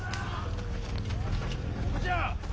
どこじゃ！